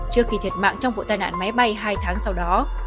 trước khi thiệt mạng trong vụ tai nạn máy bay hai tháng sau đó